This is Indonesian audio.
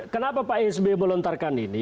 kenapa pak sby melontarkan ini